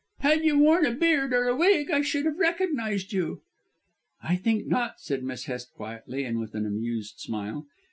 "Had you worn a beard or a wig I should have recognised you." "I think not," said Miss Hest quietly and with an amused smile.